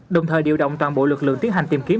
đồng thời điều động toàn bộ lực lượng tiến hành tìm kiếm